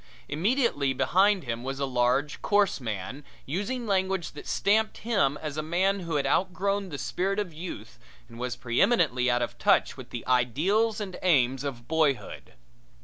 Immediately behind him was a large, coarse man using language that stamped him as a man who had outgrown the spirit of youth and was preeminently out of touch with the ideals and aims of boyhood.